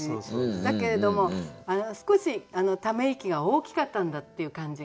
だけれども少しため息が大きかったんだっていう感じがしますよね。